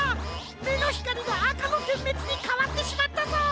めのひかりがあかのてんめつにかわってしまったぞ！